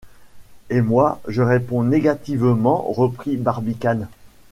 Et moi, je réponds négativement, reprit Barbicane.